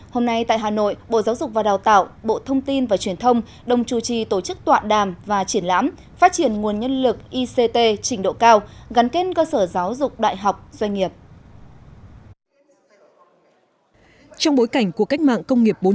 hôm nay tại hà nội bộ giáo dục và đào tạo bộ thông tin và truyền thông đồng chủ trì tổ chức tọa đàm và triển lãm phát triển nguồn nhân lực ict trình độ cao gắn kết cơ sở giáo dục đại học doanh nghiệp